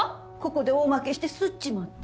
ここで大負けしてすっちまって。